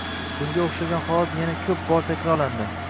Bunga oʻxshagan holat yana koʻp bor takrorlandi